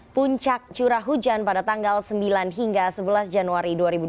puncak curah hujan pada tanggal sembilan hingga sebelas januari dua ribu dua puluh